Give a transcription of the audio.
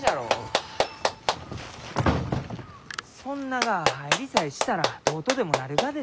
そんなが入りさえしたらどうとでもなるがですよ。